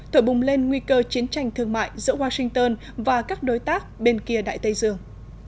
thổi bùng lên nguy cơ chiến tranh thương mại giữa washington và các đối tác bên kia đại tây dương